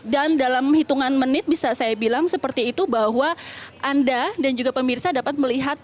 dan dalam hitungan menit bisa saya bilang seperti itu bahwa anda dan juga pemirsa dapat melihat